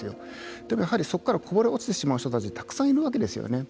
でもやはりそこからこぼれ落ちてしまう人たちがたくさんいるわけですよね。